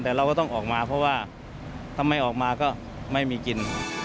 แต่เราก็ต้องออกมาเพราะว่าถ้าไม่ออกมาก็ไม่มีกิน